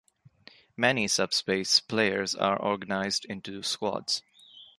Many "SubSpace" players are organized into squads.